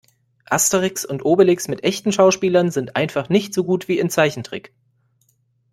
Asterix und Obelix mit echten Schauspielern sind einfach nicht so gut wie in Zeichentrick.